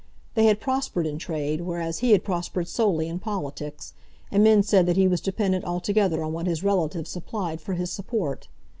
They had prospered in trade, whereas he had prospered solely in politics; and men said that he was dependent altogether on what his relatives supplied for his support.